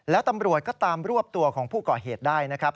แล้วตำรวจก็ตามรวบตัวของผู้ก่อเหตุได้นะครับ